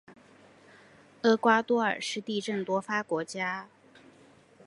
厄瓜多尔是地震多发国家。